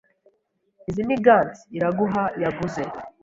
Izi ni gants Iraguha yaguze.